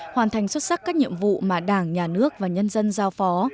hoàn thành xuất sắc các nhiệm vụ mà đảng nhà nước và nhân dân giao phó